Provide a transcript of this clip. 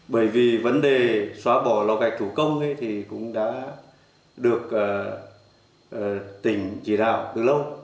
bởi vì vấn đề xóa bỏ lò gạch thủ công thì cũng đã được tỉnh chỉ đạo từ lâu